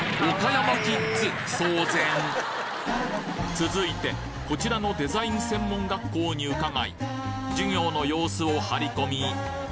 続いてこちらのデザイン専門学校に伺い授業の様子を張り込み